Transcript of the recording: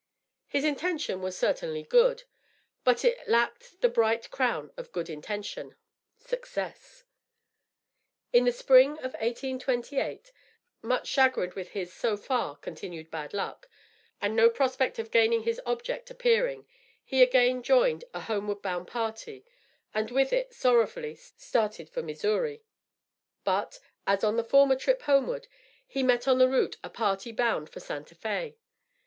His intention was certainly good, but it lacked the bright crown of good intention success. In the spring of 1828, much chagrined with his, so far, continued bad luck, and no prospect of gaining his object appearing, he again joined a homeward bound party and with it, sorrowfully, started for Missouri. But, as on the former trip homeward, he met on the route a party bound for Santa Fé.